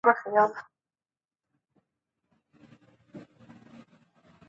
انځور د مصنوعي او طبیعي رڼا تر ترکیب ښکلا ښيي.